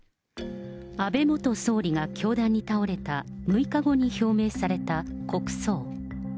安倍元総理が凶弾に倒れた６日後に表明された国葬。